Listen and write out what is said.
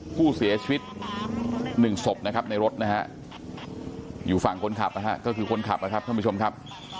ผู้เสียชีวิตหนึ่งศพนะครับอยู่ฝั่งคนขับก็คือคนขับครับท่านผู้ชมครับ